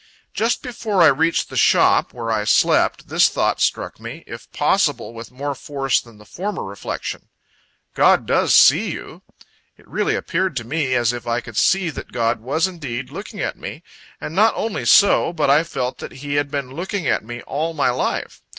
Just before I reached the shop, where I slept, this thought struck me, if possible with more force than the former reflection: "God does see you!" It really appeared to me as if I could see that God was indeed looking at me; and not only so, but I felt that He had been looking at me all my life.